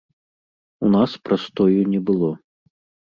У нас прастою не было.